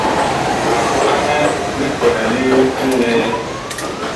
Ma volanɛ li kwɛhɛ li ŋlɛɛ.